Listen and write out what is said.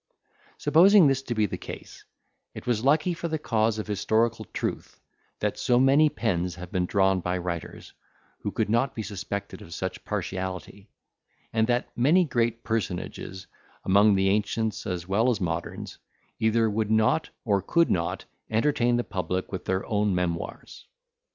Supposing this to be the case, it was lucky for the cause of historical truth, that so many pens have been drawn by writers, who could not be suspected of such partiality; and that many great personages, among the ancients as well as moderns, either would not or could not entertain the public with their own memoirs.